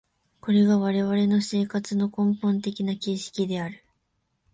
これが我々の生活の根本的な形式である。